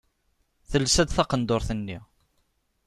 Telsa-d taqendurt-nni.